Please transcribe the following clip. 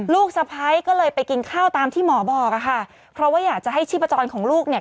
สะพ้ายก็เลยไปกินข้าวตามที่หมอบอกอะค่ะเพราะว่าอยากจะให้ชีพจรของลูกเนี่ย